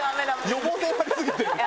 予防線張りすぎて。